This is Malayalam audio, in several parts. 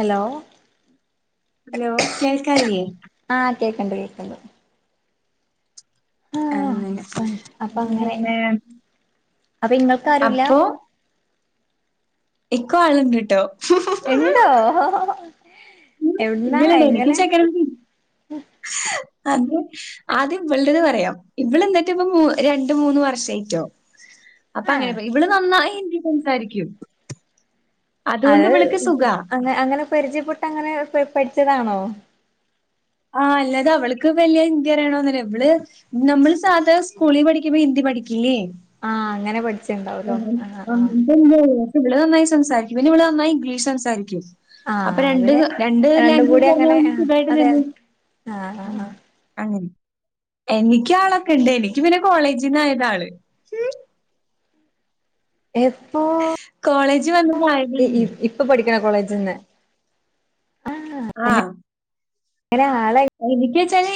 Hello hello! കേൾക്കാല്ലേ? ആഹ് കേക്കണ്ട് കേക്കണ്ട് അങ്ങന ആഹ് അപ്പൊ അങ്ങനെ പിന്നെ അപ്പൊ ഇങ്ങൾക്കാരുല്ല അപ്പൊ. എക്ക് ആളണ്ട് കേട്ടോ. ഉണ്ടോ എവിടുന്നാ എങ്ങനെ. അതെ ആദ്യം ഇവളടേത് പറയാം ഇവള് എന്നിട്ട് ഇപ്പം രണ്ട് മൂന്ന് വർഷായിട്ടോ അപ്പൊ ആഹ് അങ്ങനെ ഇവള് നന്നായി ഹിന്ദി സംസാരിക്കും അതുകൊണ്ട് അത് ഇവൾക്ക് സുഖാ അ അങ്ങനെ പരിചയപ്പെട്ട് അങ്ങനെ പഠിച്ചതാണോ. ആഹ് അല്ലാതെ അവള്ക്ക് വല്യ ഹിന്ദി അറിയണന്നല്ല ഇവള് നമ്മള് സാദാ സ്കൂളിൽ പഠിക്കുമ്പോ ഹിന്ദി പഠിക്കില്ലേ ആഹ് അങ്ങനെ പഠിച്ച് ആ ഇവള് നന്നായി സംസാരിക്കും പിന്നെ ഇവിള് നന്നായി ഇംഗ്ലീഷ് സംസാരിക്കും അപ്പൊ ആഹ് അത് രണ്ട് രണ്ട് രണ്ടും ലങ്കേജ് കൂടി അങ്ങനെ പറഞ്ഞാൽ ആഹ് സുഖായിട്ട് അതെ നിന്നു. ആഹ് ആഹ് ആഹ് അങ്ങനെ എനിക്കാളൊക്കെ ഇണ്ട് എനിക്ക് പിന്നെ കോളേജിൽന്നായത ആള് എപ്പോ? കോളേജ് ഇ വന്നതായതാണ്. ഇ പടിക്കണ കോളേജിന്ന് ആ [unintelligible] എനക്ക് വച്ചാല്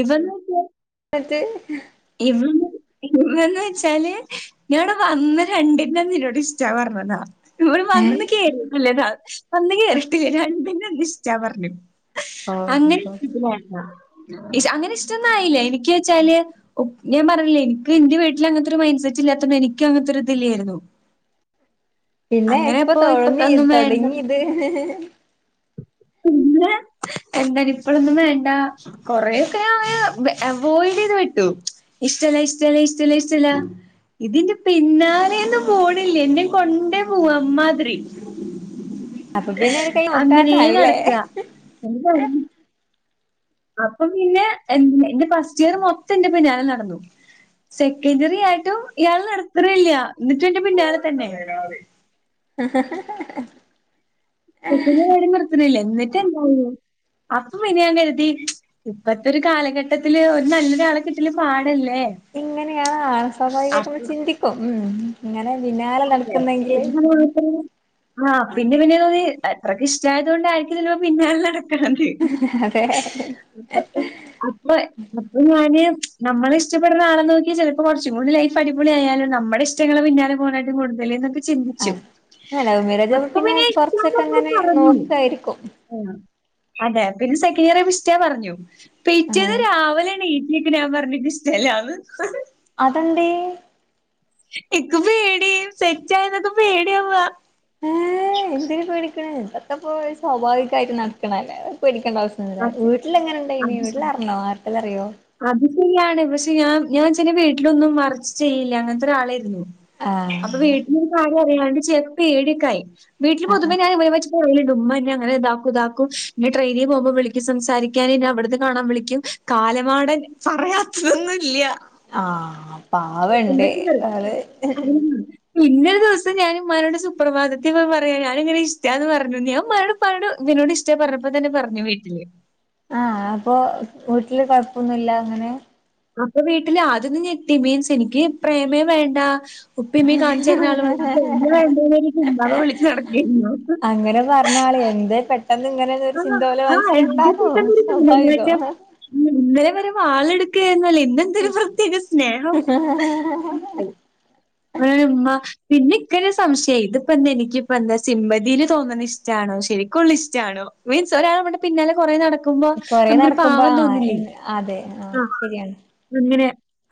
ഇവന്ന് ക്ക. [unintelligible] ആഹ്. [unintelligible] ഇന്നന്നോയ്ച്ചാല് ഞടെ വന്ന് രണ്ടിൻ്റന്നിന്നോട് ഇഷ്ടാ പർഞ്ഞതാ. ഇവടെ വന്ന് കേറിട്ടില്ലേതാ വന്ന് കേറിട്ടില്ല രണ്ടിന്റന്ന് ഇഷ്ടാ പറഞ്ഞു അങ്ങനെ ഓഹ് ഇഷ്ട അങ്ങനെ ഇഷ്ടൊന്നും ആയില്ല എനിക്ക് വച്ചാല് പ്പ ഞാൻ പറഞ്ഞില്ലേ എനിക്ക് എന്റെ വീട്ടിൽ അങ്ങനത്തെ ഒരു മൈൻഡ് സെറ്റ്ല്ലാത്തതണ്ട് എനിക്ക് അങ്ങനത്തെ ഒരു ഇതില്ലായിരുന്നു. പിന്നെ അങ്ങനെ എപ്പൊ ഇപ്പൊ തോന്നി ഇപ്പൊക്കൊന്നും വേണ്ട തൊടങ്ങിയിത്? പിന്നെ എന്താണ് ഇപ്പഴൊന്നും വേണ്ടാ കൊറെക്കെ ഞാന് അവ അവോയ്ഡ് ചെയ്ത്വിട്ടു ഇഷ്ടല്ല ഇഷ്ടല്ല ഇഷ്ടല്ല ഇഷ്ടല്ല ഇതിന്റെ പിന്നാലെന്നും പോണില്ല എന്നെ കൊണ്ടേ പോകു അമ്മാതിരി [unintelligible] അപ്പൊ പിന്നെ ഒരു കൈ നോട്ടാണ്ടായില്ലേ എന്താരുന്നു അപ്പൊ പിന്നെ എ എന്റെ ഫസ്റ്റ് ഇയർ മൊത്തം എന്റെ പിന്നാലെ നടന്നു. സെക്കൻഡറി ആയിട്ടും ഇയാൾ നിർത്തിനില്ല എന്നിട്ട് ന്റെ പിന്നാലെ തന്നെ ഹ.. ഹ.. ഹ.. [unintelligible] നിർത്തണില്ല എന്നിട്ട് എന്തായി അപ്പം പിന്നെ ഞാൻ കരുതി ഇപ്പത്തെ ഒരു കാലഘട്ടത്തില് ഒരു നല്ലൊരാളെ കിട്ടല് പാടല്ലേ? ഇങ്ങനെയാണ് ആ.. സ്വാഭാവികയാട്ടൊന്നു അപ്പൊ ചിന്തിക്കും ഉം ഇങ്ങനെ പിന്നെ അതെ [unintelligible] ആഹ് പിന്നെ പിന്നെ തോന്നി എത്രക്കെ ഇഷ്ട്ടായത്കൊണ്ടായിരിക്കും പിന്നൊല നട അതെ അപ്പൊ അപ്പൊ അപ്പൊ ഞാന് നമ്മള ഇഷ്ടപ്പെടണ ആള നോക്കിയാ ചെലപ്പോ കുറച്ചുംകൂടി ലൈഫ് അടിപൊളിയ ആയാലും നമ്മുടെ ഇഷ് റ്റങ്ങളെ പിന്നാലെ പോണണ്ട് മുണ്ടല് ന്നൊക്കെ ചിന്തിച്ചു ആഹ് ആഹ് ലവ് മാരേജ് ആവുമ്പോ പിന്നെ അപ്പംപിന്നെ കൊറച്ചൊക്കെ ഇഷ്ടണന്ന് അങ്ങനെ പറഞ്ഞു നോക്കായിരിക്കും ആ അതെ പിന്നെ സെക്കൻഡ് ഇയർ പിസ്റ്റിയ പറഞ്ഞു പിറ്റേന്ന് ആഹ് രാവിലെണീ നേക്ക് ഞാൻ പറഞ്ഞ് എനിക്ക് ഇഷ്ടല്ലാന്ന് അതെന്തെ? എക്ക് പേടിയ സെറ്റ് ആയന്നൊക്കെ പേടിയ നാ ഏഹ് എന്തിന് പേടിക്കണ ഇന്തൊക്കപ്പോ സ്വാഭാവികമായിട്ട് നടക്കണല്ലേ പേടിക്കേണ്ട അവസ്ഥ എ വീട്ടിലെങ്ങനെണ്ടനി അത് വീട്ടിൽ അറണോ ആർക്കേലും അറിയോ അത് ശര്യാണ് പക്ഷെ ഞാ ഞാ ച്ചനെ വീട്ടിലൊന്നും മറച്ച് ചെയ്യില്ല അങ്ങൻത്തൊരാളേര്ന്നു. ആഹ... അപ്പ വീട്ടിലൊരു കാര്യ അറിയാണ്ട് ചെയ്ത പേടിയൊക്കായി വീട്ടിൽ ആഹ് പൊതുവേ ഞാന് [unintelligible] ഉമ്മന്നെ അങ്ങനെ ഇതാക്കും ഇതാക്കും എന്നെ ട്രെയിനിൽ പോകുമ്പോ വിളിക്കും, സംസാരിക്കാൻ എന്നെ അവിടുന്ന് കാണാൻ വിളിക്കും കാലമാടൻ പറയാത്തതൊന്നുല്ല്യ ആഹ് പാവണ്ട് അത്. തെരക്കിലായിരുന്നു. പിന്നൊരു ദിവസം ഞാന് ഇമ്മാനോട് സുപ്രഭാതത്തി പറയാ ഞാനിങ്ങനെ ഇഷ്ടാന്ന് പറഞ്ഞു ഞാൻ ഉമ്മാവോട് പ്പാനോട് മിന്നൂന് ഇഷ്ട പർഞ്ഞപ്പ തന്നെ പർഞ്ഞു വീട്ടില്. ആഹ! അപ്പൊ വീട്ടില് കൊഴപ്പൊന്നുമില്ല അങ്ങനെ അപ്പൊ വീട്ടിൽ ആദ്യം ഒന്ന് ഞെട്ടി മീൻസ് എനിക്ക് പ്രേമേ വേണ്ടാ ഉപ്പിമ്മീ കാണിച്ചരുന്നാലും [unintelligible] വിളിച്ചു നടകേര്ന്നു. അങ്ങനെ പറഞ്ഞാളെ എന്തെ പെട്ടെന്ന് ഇങ്ങനെ ഒരു ആഹ് ചിന്ത ഓലെ ആഹ് എന്റെ മനസ്സിലുണ്ടാവും വീട്ടിന്നൊരു പെണ്ണെന്ന് സ്വാഭാവികോ വെച്ചാ ഇന്നലെ വരേ വാളെടുക്കുകുന്നല്ലേ ഇന്നെന്തേ പ്രത്യേക സ്നേഹം. ഉമ്മ പിന്നെ ഇക്കന്നേ സംശയായ് ഇതിപ്പോ എന്താ എനിക്കിപ്പ എന്താ സിമ്മതിയില് തോന്നുന്നത്ഷ ഇണോ ശരിക്കുംള്ള ഇഷ്ടണോ മീൻസ് ഒരാള നമ്മളെ പിന്നാലെ കുറേ നടക്ക ക്കുമ്പോ കൊറേ നമുക്കരു നടക്കുമ്പോ പാവം തോന്നില്ലേ ആഹ് അതെ ആഹ് ശരിയാണ് ഇങ്ങനെ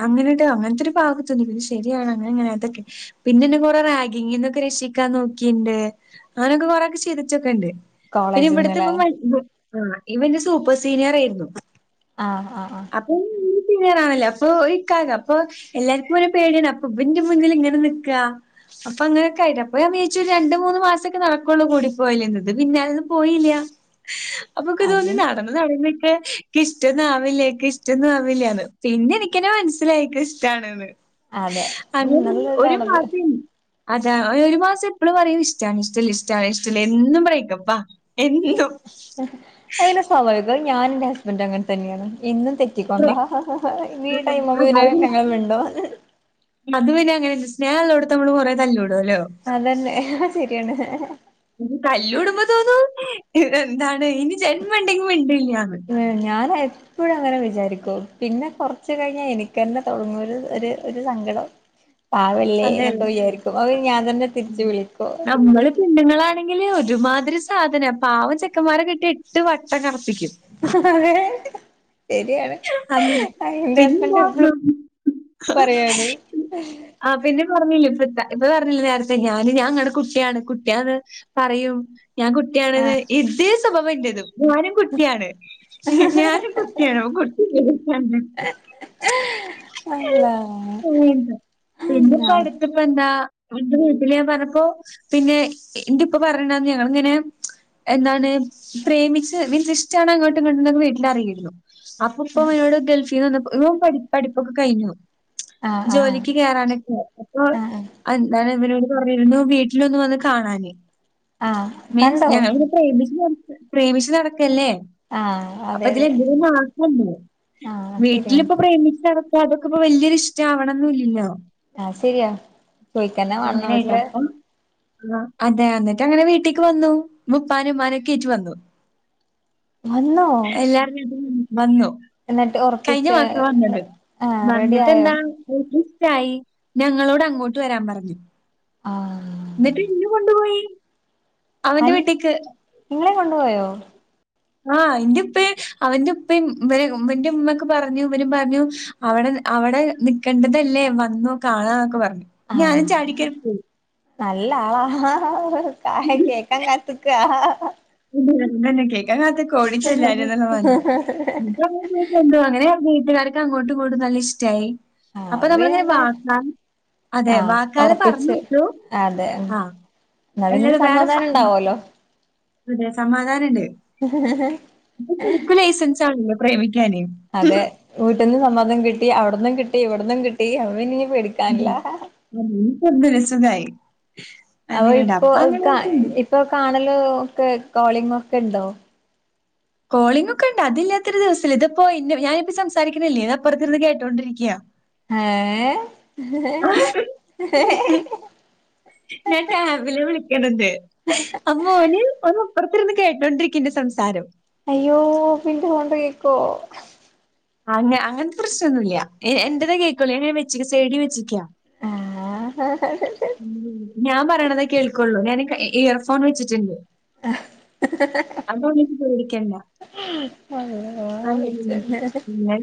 അങ്ങനെട്ടോ അങ്ങൻത്ത ഒരു പാവക്കതോന്നി പിന്നെ ശരിയാണ്. അങ്ങനെ അങ്ങനെത്തൊക്കെ പിന്നെന്നെ കൊറെ റാഗിങ്ന്നൊക്കെ രക്ഷിക്കാൻ നോക്കിണ്ട് അങ്ങനൊക്കെ കൊറൊക്കെ ശീ ലിച്ചൊക്കെ ഉണ്ട് പിന്നെ ഇവിടത്തെ ഇപ കോളേജിന്നല്ലേ ആ ഇവന്റെ സൂപ്പർ സീനിയറേർന്നു ആഹ് ആ ആ അപ്പൊ ക്ള്യെയറാണല്ലോ അപ്പൊ ഇക്കക അപ്പൊ എല്ലാർക്കും ഓനെ പേടിയാണ്. കുബിന്റെ മുന്നിൽ ഇങ്ങനെ നിക്കാ അപ്പ അങ്ങനൊക്കെയിലെ അപ്പ ഞാൻ വിചായിച്ചു രണ്ട് മൂന്ന് മാസക്കെ നടക്കൊള്ളൂ കൂടിപ്പോയല്ന്ന് ഇത് പിന്നാലെന്ന് പോയില്ല അപ്പക്ക് ഇതോന്നി അത് ആ നടന്നിക്കാ എനി ഇഷ്ടന്ന ആവില്ല എക്ക് ഇഷ്ടന്നും ആവില്ലന്ന് പിന്നെ എനിക്കത നെ മനസ്സിലായി. ണെന്ന് അതെ ഉം അങ്ങെനെ ഒരു നല്ലൊരിതാണത് മാസം അതാ ഒരു ഒരു മാസം എപ്പളും പറയും ഇഷ്ടാണ് ഇഷ്ല്ല ഇഷ്ടാണ് ഇഷ്ടല്ല എന്നും ബ്രേക്കപ്പാ. എന്തും അതിന് സ്വാഭാവികം ഞാന് ഇന്റെ ഹസ്ബൻറ് അങ്ങത്തെന്നെയാണ് എന്നും തെ- കറ്റൊണ്ട ബ്രേക്ക് ഈ ഈ ഉം ടൈംആകുമ്പോ ഇതിനെ അതായത് ഞങ്ങൾ മിണ്ടോ അത് പിന്നെ സ്നേഹം ഉോടുത്ത് നമ്മള് കൊറെ തല്ലൂടല്ലോ. അതന്നെ ഹ ഹ ശരിയാണ്! ഇനി തല്ലൂടുമ്പോ തോന്നു എന്താണ് ഇനി ജന്മണ്ടെങ്കിൽ മിണ്ടില്ലന്ന് ഉം ഞാനായി എപ്പോഴ അങ്ങനെ വിചാരിക്കും പിന്നെ കൊറച്ച് കഴിഞ്ഞാ എനിക്കെന്നെ തോടങ്ങും ഒരു ഒര് ഒരു സങ്കടം. [inaudible] പാവല്ലേ അതെ. എന്നൊക്കെ വിചാരിക്കും അപ്പൊ ഞാൻ തന്നെ തിരിച്ചു വിളിക്കു നമ്മള് പെണ്ണുങ്ങളാണെങ്കില് ഒരുമാതിരി സാധനം പാവം ചെക്കന്മാരെ കിട്ടിട്ട് വട്ടം കറപ്പിക്കും [unintelligible] അതെ ശരിയാണ് അങ്ങനെ. അയിന്റെ ഹസ്ബന്റ് പിന്നെന്താ എപ്പോഴും പറയാണ് ആ പിന്നെ പറഞ്ഞില്ല ഇപ്പ ഇപ്പൊ പറഞ്ഞില്ലേ നേരത്തെ ഞാന് ഞാൻ ങ്ങടെ കുട്ടിയാണ് കുട്ടിയന്ന്. പറയും ഞാൻ കുട്ടിയണെന്ന് ആഹ് ഇതേ സ്വഭാവം എന്റതും ഞാനും കുട്ടിയാണ് ഞാൻ കുട്ടിയാണോ [unintelligible] അള്ളാ [unintelligible] പിന്നെപ്പടു പ്പ എന്താ എ വീട്ടില് ഞാൻ പറഞ്ഞപ്പോ പിന്നെ ഇന്റെ ഇപ്പ പറയണ ഞങ്ങിങ്ങനെ എന്താണ് പ്രേമിച്ച് മീൻസ് ഇഷ്ടമാണ് അങ്ങോട്ടും ഇങ്ങോട്ടും എന്നൊക്കെ വീട്ടിൽ അറിയായിരുന്നു അപ്പ ഇപ്പ അനോട് ഗൽഫീ നിന്ന് വന്ന പഠിപ്പൊക്കെ കഴിഞ്ഞു. ആഹ് ആഹ് ജോലിക്ക് കേറാനൊക്ക ആഹ് ഇവനോട് പറയരുന്നു വീട്ടിലൊന്നു വന്ന് കാണാൻ ആഹ് മീൻസ് കണ്ടോ ഞങ്ങിവിടെ പ്രേമിച്ചു നട പ്രേമിച്ചു നടക്കല്ലേ. ആഹ് അതെ അതെ. ല്ല ആഹ് ശരിയാണ് വീട്ടിലിപ്പൊ പ്രേമിച്ചടക്ക അതൊക്കെ ഇപ്പോ വലിയൊരു ഇഷ്ടം ആവണന്ന് ഇല്ലല്ലോ ആഹ ശരിയാ ചോയ്ക്കന്നാ വണന്ന വീട്ടില് ആ അതെ എന്നിട്ട് അങ്ങനെ വീട്ടിലക്ക് വന്നു മുപ്പാന ഉമ്മനൊക്കെ ആയിട്ട് വന്നു വന്നോ [unintelligible] വന്നു എന്നിട്ട് കഴിഞ്ഞ ഉറപ്പിച്ച് മാസ വന്നത് ആഹ് റെഡി വന്നിട്ട് ആയോ എന്താ തായി ഞങ്ങളോട് അങ്ങോട്ട് വരാൻ പറഞ്ഞു ആ എന്നിട്ട് ഇന്ന കൊണ്ടുപോയി അവന്റെ അൻ വീട്ടേക്ക്. നിങ്ങളെ കൊണ്ടുപോയോ ആഹ് ഇന്റെ ഇപ്പയും അവന്റ ഉപ്പയും ഇവ അവന്റെ ഉമ്മക്ക് പറഞ്ഞു ഇവനും പറഞ്ഞു. അവിടെ അവിടെ നിക്കണ്ടതല്ലേ വന്നു കാണാന്നൊക്കെ പറഞ്ഞു ആഹ് ഞാനും ചാടിക്കറി പോയി. നല്ല ആളാ കായ കേക്കാൻ കാത്ത്ക്ക തന്നെ കേൾക്കാൻ കാത്ത്ക്ക ഓടിച്ചെല്ലാൻ ന്നക്ക പറഞ്ഞ് അങ്ങനെ വീട്ടുകാർക്ക് അങ്ങോട്ടും കൂടും നല്ല ഇഷ്ടായി ആഹ് അപ്പൊ നമ്മളിങ്ങനെ പിന്നെന്താ വാക്കാ അതെ ആഹ് വാക്കാല ഉറപ്പിച്ച് പറഞ്ഞിട്ടു അതെ ആഹ് എന്നാ പിന്നൊരു അല്ലാതെ വേറെ സൗ സമാധാനം ഉണ്ടാവല്ലോ അതെ സമാധാനണ്ട് ഇപ്പം ശരിക്കു ലൈസൻസണല്ലോ പ്രേമിക്കാന് അതെ വീട്ട്ന്ന് സമ്മതം കിട്ടി അവിട്ന്നും കിട്ടി ഇവിട്ന്നും കിട്ടി അപ്പ പിന്നെ ഇനി പേടിക്കാനില്ല. നീക്ക് ഒന്ന് രസത്തൊയി അ ഇപ്പോ കാ ഇപ്പൊ കാണലോ ഒക്കെ കോളിംഗ് ഒക്കെ ഉണ്ടോ. കോളിംങ്‌ ഒക്കെ ഉണ്ട് അതില്ലാത്ത ഒരു ദിവസല്ല ഇതിപ്പോ ഇന്നെ ഞാനിപ്പം സംസാരിക്കണില്ലേ ഇത് അപ്പുറത്തിരുന്ന് കേട്ടുകൊണ്ടിരിക്ക്യ. ഏഹ് ഞാൻ കാവിലെ വിളിക്കണണ്ട് അമ്മോന് ഒന്ന്പ്പുറത്തിരുന്ന് കേട്ടോണ്ടിരിക്കന്റെ സംസാരം അയ്യോ പിന്റെ കൊണ്ട് യ് ക്കോ. അങ്ങ അങ്ങനത്തെ പ്രശ്നമൊന്നുല്ല എന്റേത് കേൾക്കുള്ളൂ. സൈഡിൽ വെച്ചിരിക്കാ ആഹ് ഉമ് ഞാൻ പറയണതേ കേൾക്കുള്ളൂ ഞാൻ ഇയർ ഫോൺ വെച്ചിട്ടുണ്ട് അതൊന്നും ജ്ജ് പേടിക്കണ്ട. [unintelligible] ഞ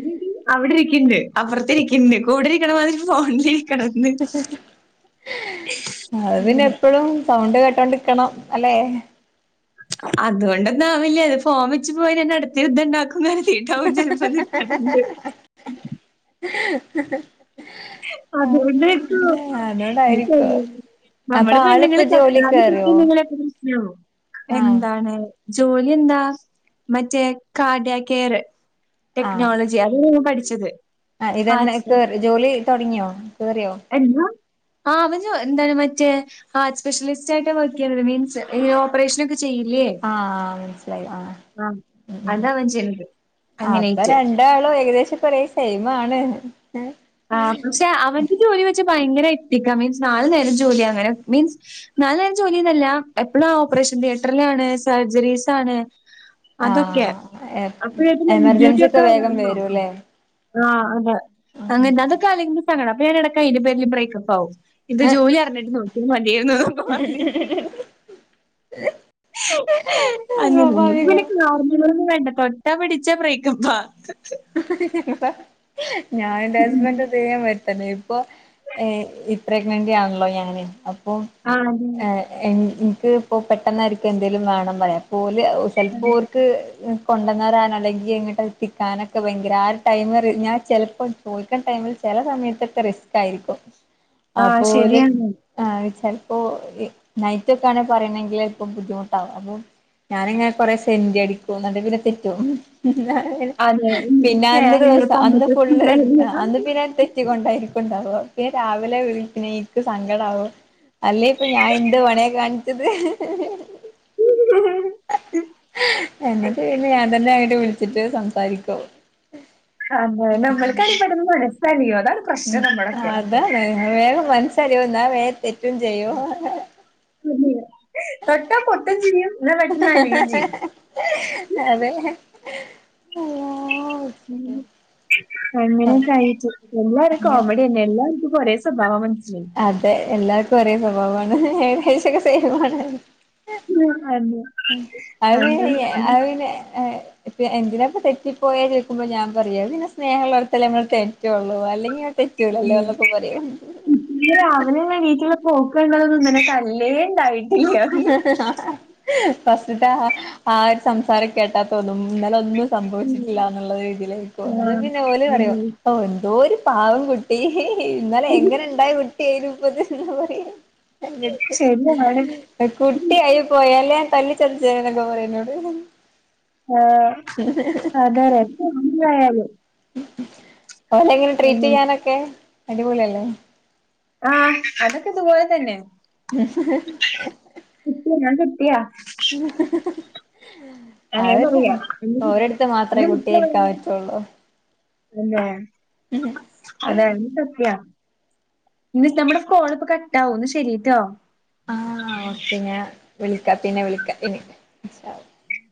അവിടെ ഇരിക്കണ്ട് അപ്പറത്തെ ഇരിക്കണ്ട് കൂടെ ഇരിക്കണ മാതിരി ഫോണില് ഇരിക്കണംന്ന്. അത് പിന്നെ എപ്പഴും സൗണ്ട് കേട്ടോണ്ടിരിക്കണം അല്ലെ അതുകൊണ്ടന്നാവില്ല അത് ഫോമ വെച്ച് പോയി അടുത്ത യുദ്ധം ഉണ്ടാക്കും. അങ്ങാര് [unintelligible] വിചാരം പോലെ കണ്ട് ആ അതു കൊണ്ടായിരിക്കും ഞ്ഞ് പ്പൊ അതോണ്ടായിരിക്കും ഇ അപ്പൊ നമ്മള് ആളിപ്പോ പെണ്ണുങ്ങള് ജോലി കേറിയോ [unintelligible] മൻസ്സിലാവും ആഹ് എന്താണ് ജോലി എന്താ മറ്റേ കാർഡിയ കെയർ ടെക്നോളജി അതാ ഞാൻ പഠിച്ചത്. ആ ഇതന്നെ ഹാർട്സ് കേറി ജോലി തുടങ്ങിയോ കേറിയോ. എന്താ ആ അവന് ജൊ എന്താണ് മറ്റേ ആഹ സ്പെ്യലിസ്റ്റ് ആയിട്ട് വർക്ക് ചെയ്യുന്നത് മീൻസ് ഈ ഓപ്പറേഷന ഒക്കെ ചെയ്യില്ലേ ആഹ് മനസ്സിലായി ആഹ് ഉം ഉം ആഹ് [unintelligible] അങ്ങനൊയിറ്റ് എന്ത ആളോ ഏകദേശം ഒരേ സെയ്മാണ്. ആ പക്ഷെ അവന്റെ ജോലി വെച്ച് ഭയങ്കര എത്തിക്ക മീൻസ് നാലു നേരം ജോലി അങ്ങനെ മീൻസ് [unintelligible] ജോലിൽ അല്ല എപ്പോഴും ഓപ്പറേഷൻ തിയേറ്ററിലാണ് സർജറീസ് ആണ്. അതൊക്കെ ആഹ് അപ്പൊ ഇതി എമർജൻസി ഡ്യൂട്ടിയ ഒക്കെ വേഗം വണോ. വരൂല്ലേ ആഹ് അതെ അങ്ങനെ അതൊക്കെ അപ്പോ ഞാൻ ഇടക്കാ അതിന്റെ പേരിൽ ബ്രേക്കപ്പ് ആകും. ഇത് ജോലി അറിഞ്ഞിട്ട് നോക്കി മതിയായിരുന്നു. പറഞ്ഞിട്ട്. [inaudible] സ്വാഭാവികം [unintelligible] നോർമൽ ന്നും വേണ്ട തൊട്ട പിടിച്ച ബ്രേക്കപ്പാ ഞാൻ ന്റെ ഹസ്ബൻഡ് ഇതേ മാതിരി തന്നെ ഇപ്പോ ഏഹ് പ്രഗ്നന്റ് ആണല്ലോ ഞാൻ അപ്പോ ആഹ് അതെ. ഏഹ് എനിക്ക് ഇപ്പോ പെട്ടെന്നായിരിക്കും എന്തേങ്കലും വേണം പറയാ പോല് ചിലപ്പോൾർക്ക് കൊണ്ടുന്നരാൻ അല്ലെങ്കിൽ ഇങ്ങട്ട് എത്തിക്കാനൊക്കെ ഒക്കെ ഭയങ്കര ആ ഒരു ടൈമ ഞാൻ ചിലപ്പോൾ ചോദിക്കുന്ന ടൈമിൽ ചില സമയത്തൊക്കെ റിസ്ക്കാ യിരിക്കും. [inaudible] അപ്പോ ഓല് ശരിയാണ്. ആ ചിലപ്പോ നൈറ്റ് ഒക്ക ആണ് പറയണെങ്കിൽ ഇപ്പൊ ബുദ്ധിമുട്ടാവും അപ്പൊ ഞാനിങ്ങനെ കൊറെ സെന്റി അടിക്കും എന്നിട്ട് പിന്നെ തെറ്റും അതെ പിന്നെ അന്ന് സ്നേഹമില്ല ദിവസം അന്ന് പണ്ടത്തെ ഫുള്ള് സ്നേഹമില്ല. അന്ന് പിന്നെ. കൊണ്ടായിരിക്കുണ്ടാവ പിന്നെ രാവിലെ വിളിക്ക എനിക്ക് സങ്കടാക്കും. അല്ലേ ഇപ്പൊ ഞാൻ എന്ത് പണയ കാണിച്ചത്. എന്നിട് ഞാൻ തന്നെ അങ്ങട്ട് വിളിച്ചിട്ട് സംസാരിക്കും. [unintelligible] അതേ നമ്മൾക്ക് അടിപ്പെെടന്ന് മനസ്സല്ലിയോ അതാണ് പ്രശ്നം ഉം നമ്മളൊക്കെ. അതാണ് വേഗം മനസ്സലിയും എന്നാ വേഗ തെറ്റും ചെയ്യു. തൊട്ട പൊട്ടും ചെയ്യും എന്നാ പെട്ടെന്ന് അലിയും ചെയ്യും. അതെ അള്ളാ അങ്ങനെയൊക്കെ ആയിട്ട് എല്ലാരും അങ്ങനെ കോമഡി. എല്ലാർക്ക് ഓരേ സ്വഭാവം മനസിലായി അതെ എല്ലാവർക്കും ഒരേ സ്വഭാവമാണ് ഏകദേശൊക്കെ സെയിം ആണ് [unintelligible] [unintelligible] അത് അങ്ങനെ പിന്നെ ആഹ് ഇപ്പൊ എന്തിനാ പൊ തെറ്റിപ്പോയേ ചോദുമ്പോൾ ഞാൻ പറയാ പിന്നെ സ്നേഹംള്ളോടത്തല്ല നമ്മൾ തെറ്റുള്ളൂഅല്ലെങ്കിൽ റ്റൂല ല്ലോ എന്നൊക്കെ പറിയും ഇന്ന് രാവിലെയുള്ള എണീറ്റുള്ള പോക്ക് കണ്ടതൊന്നും ഇന്നലെ തല്ലേ ഉണ്ടായി ഫസ്റ്റ്ത്തെ ആ ഒരു സംസാരം കേട്ടാത്തോന്നും ഇന്നല ഒന്നും സംഭവിച്ചിട്ടില്ല എന്നുള്ള രീതിയിലേക്കും അത് പിന്നെ ഓല് പറിയു ഉം. ഓ എന്തോ ഒരു പാവം കുട്ടി ഇന്നാലെ എങ്ങനെ ഉണ്ടായി കുട്ടിയപ്പത് എന്നാ പറയാ [unintelligible] കുട്ടിയായി പോയി ല്ലേ തല്ലിച്ചലിച്ച എന്നൊക്കെ പറയുന്നോട്. ആഹ് അതേല്ലേ [unintelligible] അല ഓനെങ്ങനെ ട്രീറ്റ് അങ്ങനെ ചെയ്യാനൊക്കെ അടിപൊളിയല്ലേ ആഹ് അതൊക്കെ ദൂവാൻതന്നെ [unintelligible] കുട്ടി ഞാൻ [unintelligible] ട്ടിയാ [unintelligible] ആ അങ്ങനെ പറയാ ഒര്ഇതന്നെ ഇന്ന് ഓലെട്ത്ത് മാത്രേ ഇന്ന് കുട്ടിയായിരിക്കാൻ പറ്റൊള്ളൂ. തന്നെ [inaudible] ഇത് [unintelligible] നമ്മടെ കോളിപ്പോ കട്ടാവും ന്നാ ശെരിട്ടോ. ആഹ് ഓക്കെ ഞാൻ വിളിക്കാം പിന്നെ വിളിക്കാം ഇനി. ഇൻഷാ അള്ളാ